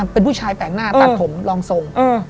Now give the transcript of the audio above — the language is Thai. เป็นผู้ชายแปลกหน้าตัดผมรองทรง